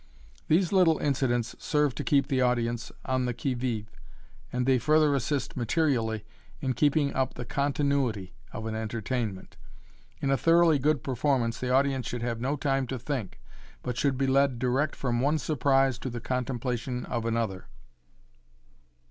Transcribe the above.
These little incidents serve to keep the audience on the qui vive, and they further assist materially in keeping up the continuity of an entertainment. In a thoroughly good performance the audience should have no time to think, but should be led direct from one surprise to the contemplation of another.